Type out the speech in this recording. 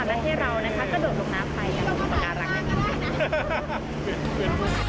และให้เราก็โดดลงน้ำไปอย่างปากกาลังยังไง